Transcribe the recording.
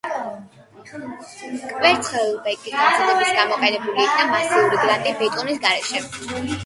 კვარცხლბეკის დამზადებისას გამოყენებულ იქნა მასიური გრანიტი ბეტონის გარეშე.